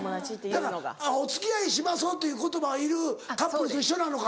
だからお付き合いしましょうっていう言葉がいるカップルと一緒なのか。